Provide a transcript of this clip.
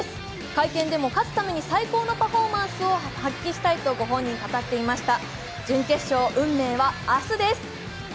会見でも勝つために最高のパフォーマンスを発揮したいとご本人、語っていました。